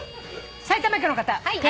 埼玉県の方。